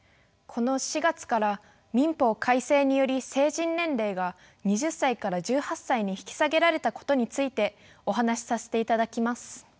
この４月から民法改正により成人年齢が２０歳から１８歳に引き下げられたことについてお話しさせていただきます。